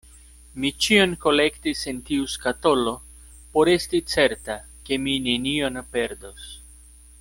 Mi ĉion kolektis en tiu skatolo por esti certa, ke mi nenion perdos.